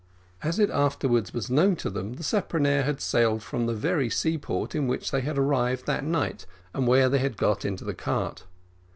As it afterwards was known to them, the speronare had sailed from the very seaport in which they had arrived that night, and where they had got into the cart.